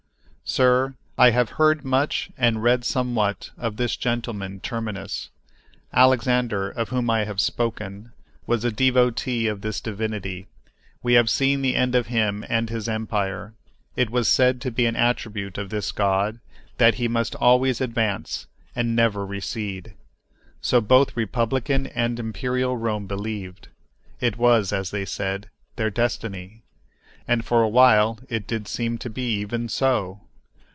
Sir, I have heard much and read somewhat of this gentleman Terminus. Alexander, of whom I have spoken, was a devotee of this divinity. We have seen the end of him and his empire. It was said to be an attribute of this god that he must always advance and never recede. So both republican and imperial Rome believed. It was, as they said, their destiny. And for a while it did seem to be even so.